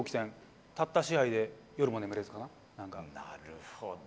なるほど。